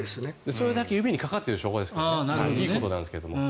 それだけ指にかかってる証拠ですけどね。